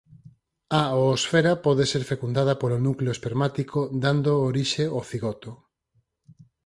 A oosfera pode ser fecundada polo núcleo espermático dando orixe ao cigoto.